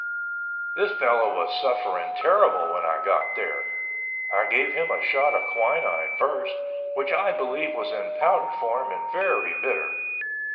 This fellow was suffering terrible when I got there. I gave him a shot of quinine first, which I believe was in powder form and very bitter.